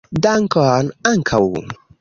Dankon ankaŭ